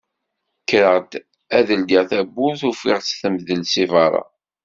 Kkreɣ ad ldiɣ tawwurt ufiɣ-tt temdel si berra.